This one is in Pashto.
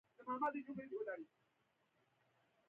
کوتره د سپین رنګ ښکلا ده.